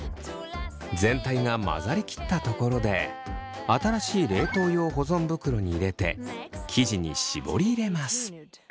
全体が混ざりきったところで新しい冷凍用保存袋に入れて生地に絞り入れます。